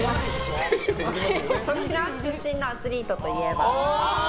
沖縄出身のアスリートといえば？